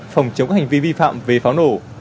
phòng chống hành vi vi phạm về pháo nổ